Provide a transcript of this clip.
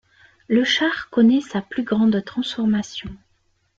Le char connait sa plus grande transformation.